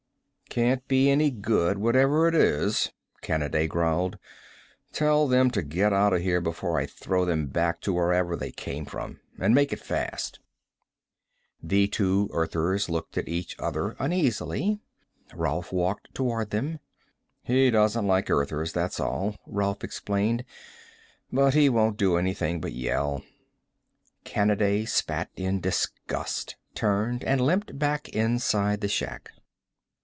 "Can't be any good, whatever it is," Kanaday growled. "Tell them to get out of here before I throw them back to wherever they came from. And make it fast." The two Earthers looked at each other uneasily. Rolf walked toward them. "He doesn't like Earthers, that's all," Rolf explained. "But he won't do anything but yell." Kanaday spat in disgust, turned, and limped back inside the shack.